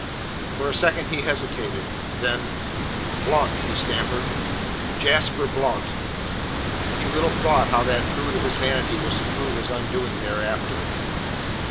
For a second he hesitated; then: "Blount," he stammered, "Jasper Blount." He little thought how that fruit of his vanity was to prove his undoing thereafter.